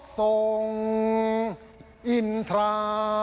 ทสงนังบรันทวนเถอะอะอิ้่นทราท